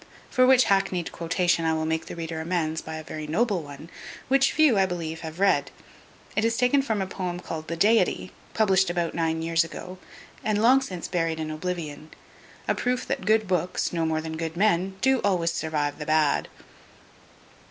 For which hackneyed quotation I will make the reader amends by a very noble one, which few, I believe, have read. It is taken from a poem called the Deity, published about nine years ago, and long since buried in oblivion; a proof that good books, no more than good men, do always survive the bad.